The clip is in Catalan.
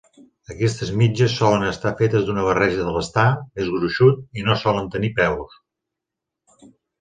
Aquestes mitges solen estar fetes d'una barreja d'elastà més gruixut i no solen tenir peus.